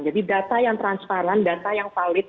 jadi data yang transparan data yang valid